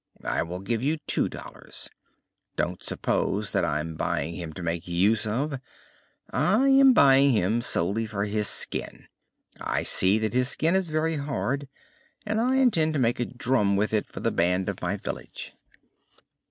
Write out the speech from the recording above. "I will give you two dollars. Don't suppose that I am buying him to make use of; I am buying him solely for his skin. I see that his skin is very hard and I intend to make a drum with it for the band of my village."